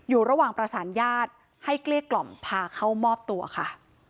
อยู่ระหว่างประสานญาติให้เกลี้ยกล่อมพาเข้ามอบตัวค่ะ